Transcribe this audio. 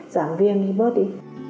giảm viêm đi bớt đi